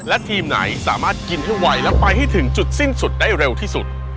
และทีมไหนสามารถกินให้ไวและไปให้ถึงจุดสิ้นสุดได้เร็วที่สุด